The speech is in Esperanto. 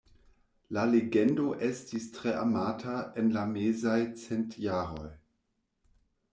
La legendo estis tre amata en la mezaj centjaroj.